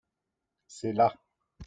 C’est là.